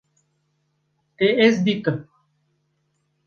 Te ez dîtim